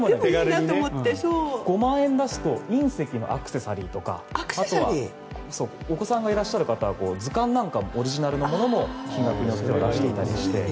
５万円出すと隕石のアクセサリーとかあとはお子さんがいらっしゃる方は図鑑なんかオリジナルのものも金額によって出していたりして。